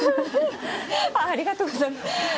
ありがとうございます。